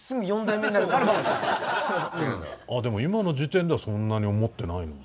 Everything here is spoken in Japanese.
今の時点ではそんなに思ってないんだ。